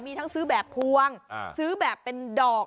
มีทั้งซื้อแบบพวงซื้อแบบเป็นดอก